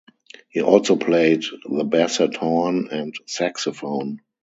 He also played the basset horn and saxophone.